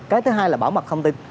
cái thứ hai là bảo mật không tin